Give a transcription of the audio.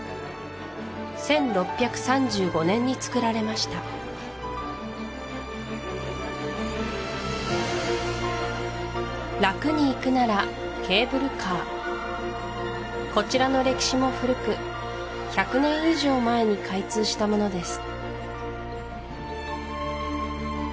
１６３５年につくられました楽に行くならケーブルカーこちらの歴史も古く１００年以上前に開通したものです